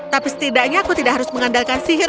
tapi setidaknya aku tidak harus mengandalkan sihir